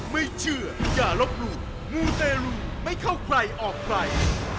ไม่เชื่ออย่าลบหลู่มูเตรลูไม่เข้าใครออกใคร